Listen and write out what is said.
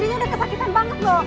mas buruan mas